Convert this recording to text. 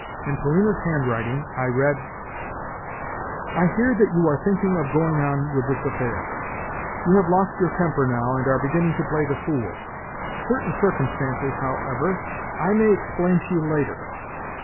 In Polina's handwriting I read: "I hear that you are thinking of going on with this affair. You have lost your temper now, and are beginning to play the fool! Certain circumstances, however, I may explain to you later.